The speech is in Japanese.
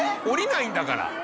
降りないんだから。